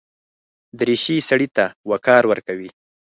دریشي سړي ته وقار ورکوي.